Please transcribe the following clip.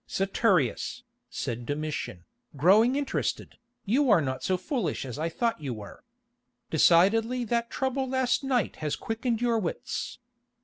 "Saturius," said Domitian, growing interested, "you are not so foolish as I thought you were. Decidedly that trouble last night has quickened your wits.